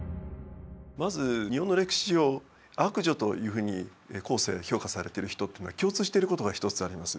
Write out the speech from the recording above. まず日本の歴史上悪女というふうに後世評価されてる人っていうのは共通してることが一つあります。